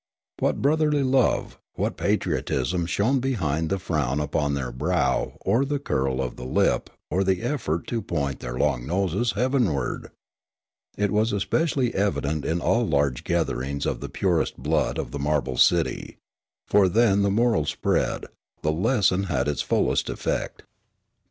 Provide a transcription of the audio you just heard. What brotherly love, what patriotism shone behind the frown upon their brow or the curl of the lip or the effort to point their long noses heavenward ! It was especially evident in all large gatherings of the purest blood of the marble city ; for then the moral spread, the lesson had its fullest eifect.